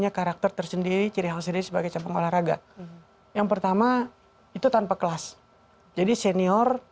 karakter tersendiri ciri ciri sebagai campur olahraga yang pertama itu tanpa kelas jadi senior